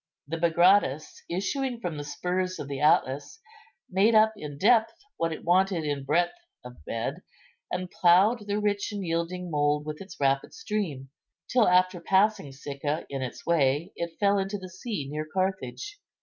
The Bagradas, issuing from the spurs of the Atlas, made up in depth what it wanted in breadth of bed, and ploughed the rich and yielding mould with its rapid stream, till, after passing Sicca in its way, it fell into the sea near Carthage.